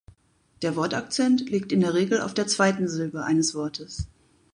Der Wortakzent liegt in der Regel auf der zweiten Silbe eines Wortes.